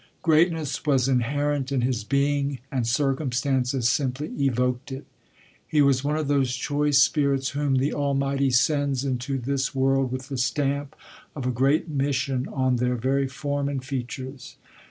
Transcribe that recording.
Greatness was inherent in his being, and circumstances simply evoked it. He was one of those choice spirits whom the Almighty sends into this world with the stamp of a great mission on their very form and features.